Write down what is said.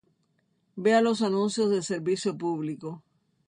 Vea los anuncios de servicio publico